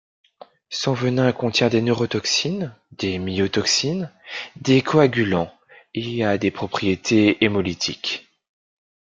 Son venin contient des neurotoxines, des myotoxines, des coagulants et a des propriétés hémolytiques.